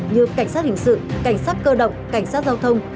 như cảnh sát hình sự cảnh sát cơ động cảnh sát giao thông